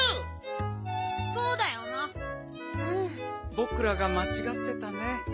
ぼくらがまちがってたね。